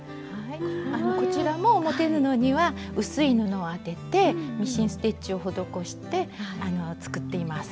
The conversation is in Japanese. こちらも表布には薄い布を当ててミシンステッチを施して作っています。